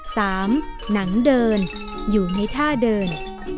หนังเดินอยู่ในท่าเดิน